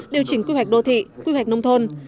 điều chỉnh quy hoạch đô thị quy hoạch nông thôn